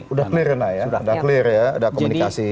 sudah clear ya